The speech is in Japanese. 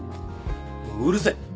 うるせぇ！